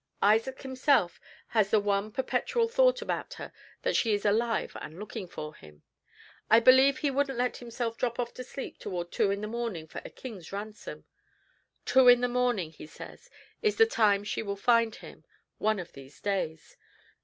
Isaac himself has the one perpetual thought about her, that she is alive and looking for him. I believe he wouldn't let himself drop off to sleep toward two in the morning for a king's ransom. Two in the morning, he says, is the time she will find him, one of these days.